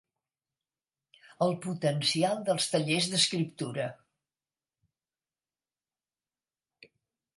El potencial dels tallers d'escriptura.